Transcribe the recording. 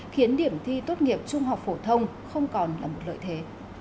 khiến điểm thi tốt nghiệp trung học phổ thông không còn là một lợi thế